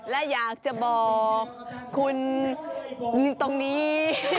และอยากจะบอกคุณตรงนี้